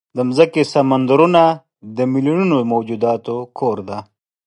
د مځکې سمندرونه د میلیونونو موجوداتو کور دی.